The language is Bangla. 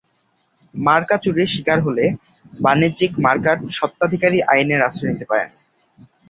মার্কা চুরির শিকার হলে বাণিজ্যিক মার্কার স্বত্বাধিকারী আইনের আশ্রয় নিতে পারেন।